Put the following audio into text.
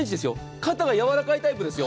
肩がやわらかいタイプですよ。